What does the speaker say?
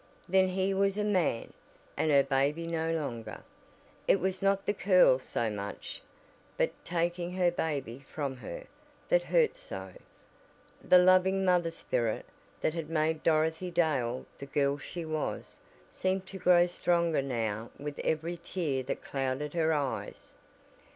Then he was a "man," and her baby no longer. It was not the curls so much, but taking her baby from her, that hurt so. The loving mother spirit, that had made Dorothy Dale the girl she was, seemed to grow stronger now with every tear that clouded her eyes.